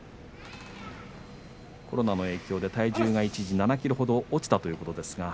コロナの影響で体重が、一時７ｋｇほど落ちたということです。